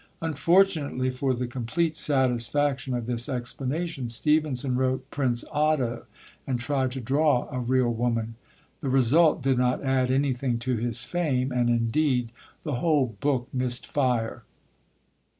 Unfortunately for the complete satisfaction of this explanation, Stevenson wrote Prince Otto, and tried to draw a real woman. The result did not add anything to his fame, and, indeed, the whole book missed fire.